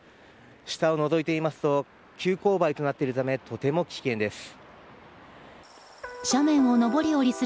下をのぞいてみますと急勾配となっているためとても危険です。